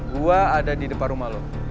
gua ada di depan rumah lo